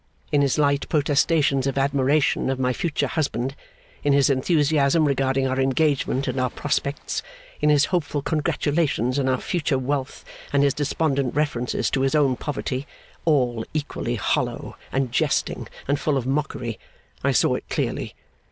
In his light protestations of admiration of my future husband, in his enthusiasm regarding our engagement and our prospects, in his hopeful congratulations on our future wealth and his despondent references to his own poverty all equally hollow, and jesting, and full of mockery I saw it clearly.